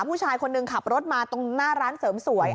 ผู้ชายคนหนึ่งขับรถมาตรงหน้าร้านเสริมสวย